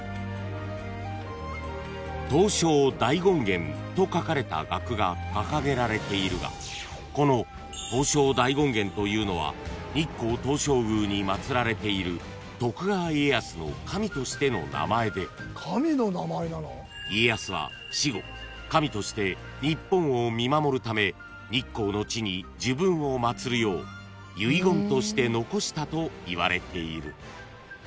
［「東照大権現」と書かれた額が掲げられているがこの「東照大権現」というのは日光東照宮に祭られている徳川家康の神としての名前で家康は死後神として日本を見守るため日光の地に自分を祭るよう遺言として残したといわれている］